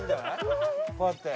こうやって。